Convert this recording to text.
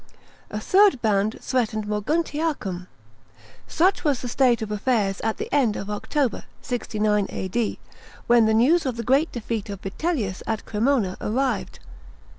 A third band threatened Moguntiacnm. Such was the ?4ate of affairs at the end of October (6i) A.D.) when the news of the <ireat defeat of Vitellius at Cremona arrived.